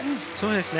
そうですね